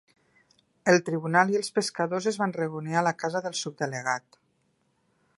El tribunal i els pescadors es va reunir a casa del Subdelegat.